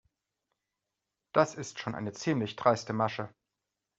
Das ist schon eine ziemlich dreiste Masche.